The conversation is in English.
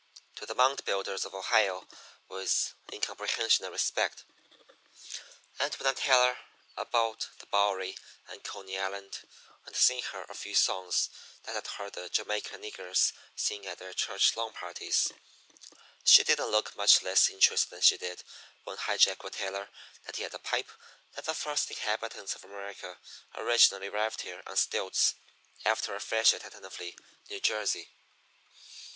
to the mound builders of Ohio with incomprehension and respect. And when I'd tell her about the Bowery and Coney Island, and sing her a few songs that I'd heard the Jamaica niggers sing at their church lawn parties, she didn't look much less interested than she did when High Jack would tell her that he had a pipe that the first inhabitants of America originally arrived here on stilts after a freshet at Tenafly, New Jersey.